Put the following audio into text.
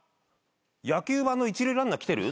野球盤の一塁ランナー来てる？